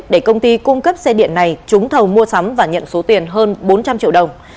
để công ty cung cấp xe điện này trúng thầu mua sắm và nhận số tiền hơn bốn trăm linh triệu đồng